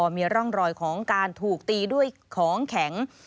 มีร่องรอยของการถูกตีด้วยของแข็ง